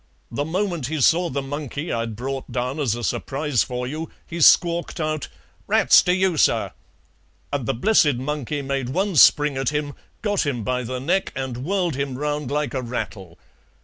The moment he saw the monkey I'd brought down as a surprise for you he squawked out 'Rats to you, sir!' and the blessed monkey made one spring at him, got him by the neck and whirled him round like a rattle.